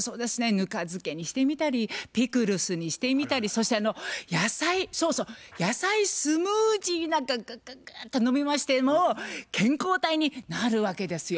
ぬか漬けにしてみたりピクルスにしてみたりそしてあの野菜そうそう野菜スムージーなんかグッグッグッと飲みましてもう健康体になるわけですよ。